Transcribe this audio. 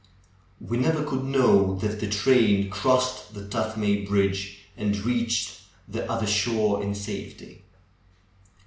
We never could know that the train crossed the Tuthmay bridge, and reached the other shore in safety.